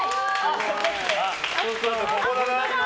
あ、ここだね。